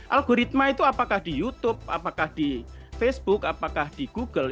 algoritma itu apakah di youtube apakah di facebook apakah di google